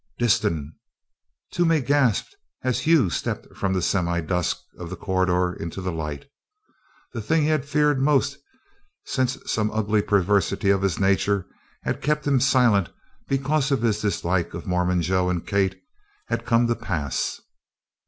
"Disston!" Toomey gasped as Hugh stepped from the semidusk of the corridor into the light. The thing he had feared most since some ugly perversity of his nature had kept him silent because of his dislike of Mormon Joe and Kate had come to pass.